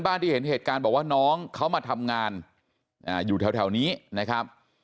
ที่เห็นเหตุการณ์บอกว่าน้องเขามาทำงานอยู่แถวนี้นะครับ